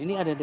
ini ada dia